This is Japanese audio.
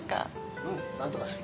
うんなんとかする。